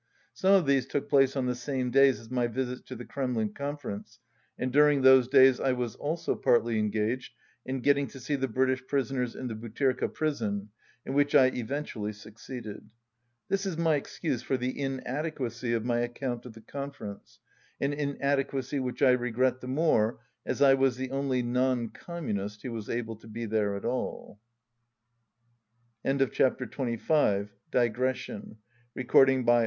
Some of these took place on the same days as my visits to the Kremlin conference, and during those days I was also partly engaged in getting to see the British prisoners in the Butyrka prison, in which I eventually suc ceeded. This is my excuse for the inadequacy of Tiy account of the conference, an inadequacy which I regret the more as I was the only non Communist who was able to be there at all. 193 THE OPPOSITIPN No man likes being hungry.